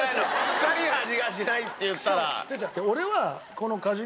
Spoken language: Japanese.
２人が「味がしない」って言ったら。